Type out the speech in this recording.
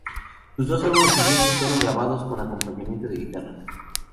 Sus dos álbumes siguientes fueron grabados con acompañamiento de guitarras.